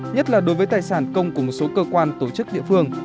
nhất là đối với tài sản công của một số cơ quan tổ chức địa phương